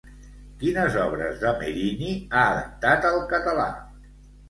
Quines obres de Merini ha adaptat al català?